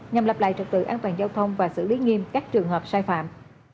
nhằm lập lại trật tự an toàn giao thông và xử lý nghiêm các trường hợp sai phạm